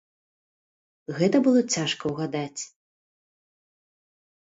Гэта было цяжка ўгадаць.